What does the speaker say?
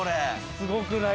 すごくない？